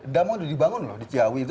damu sudah dibangun loh di jawi itu